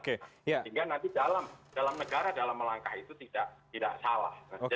sehingga nanti dalam negara dalam melangkah itu tidak salah